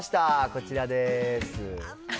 こちらです。